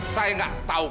saya gak tahu